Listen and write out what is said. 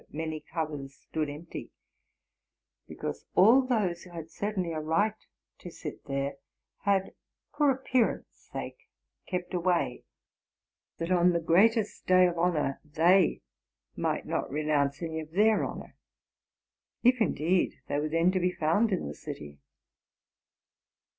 many covers stood empty, because all those who had cer tainly a right to sit there had, for appearance' sake, kept Waly, that. on the greatest day of honor they might not renounce any of their honor, if, indeed, they were then to be found in the city.